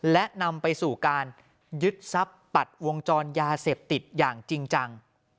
และนำไปสู่การยึดทรัพย์ปัดวงจรยาเสพติดอย่างจริงจัง